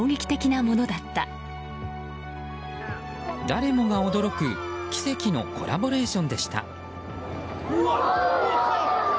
誰もが驚く奇跡のコラボレーションでした。